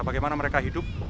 bagaimana mereka hidup